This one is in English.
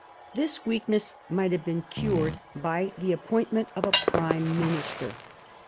This weakness might have been cured by the appoint ment of a Prime Minister.